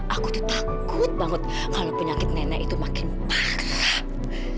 aku tuh takut banget kalau penyakit nenek itu makin mahal